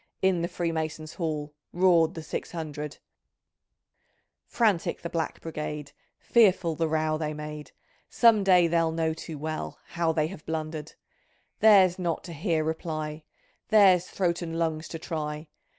In the Freemason's Hall Roared the six hundred ! Frantic the Black Brigade, Fearful the row they made, Some day they'll know too well How they have blundered. Theirs not to hear reply. Theirs throat and lungs to try.